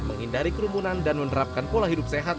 menghindari kerumunan dan menerapkan pola hidup sehat